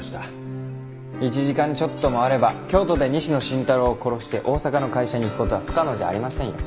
１時間ちょっともあれば京都で西野伸太郎を殺して大阪の会社に行く事は不可能じゃありませんよ。